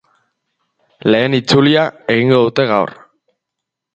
Lehen itzulia egingo dute gaur.